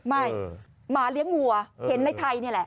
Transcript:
หมาเลี้ยงวัวเห็นในไทยนี่แหละ